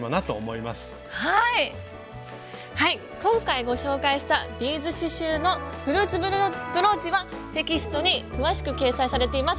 今回ご紹介したビーズ刺しゅうのフルーツブローチはテキストに詳しく掲載されています。